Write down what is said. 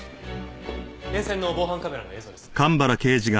沿線の防犯カメラの映像です。